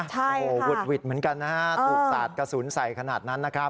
ใช่ค่ะโอ้โฮวุดวิดเหมือนกันนะอุบสาธิ์กระสุนใส่ขนาดนั้นนะครับ